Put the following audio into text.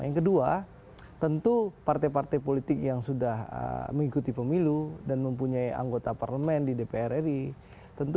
yang kedua tentu partai partai politik yang sudah mengikuti pemilu dan mempunyai anggota itu harus dihadapi oleh partai partai baru yang ingin mengikuti pemilu